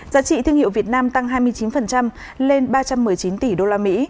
giá trị thương hiệu việt nam tăng hai mươi chín lên ba trăm một mươi chín tỷ usd